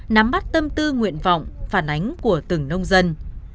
nắm bắt tâm tư nguyện vọng phản ánh của từng nông dân